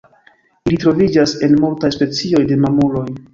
Ili troviĝas en multaj specioj de mamuloj.